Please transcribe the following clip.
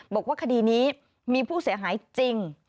บอกว่าคดีนี้มีผู้เสียหายจริง